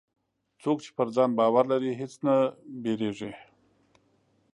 څوک چې پر ځان باور لري، هېڅ نه وېرېږي.